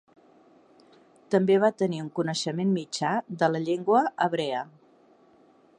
També va tenir un coneixement mitjà de la llengua hebrea.